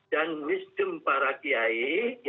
dan kebijaksanaan para kiai